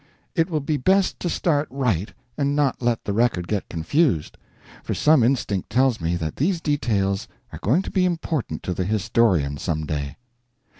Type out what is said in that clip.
It will be best to start right and not let the record get confused, for some instinct tells me that these details are going to be important to the historian some day.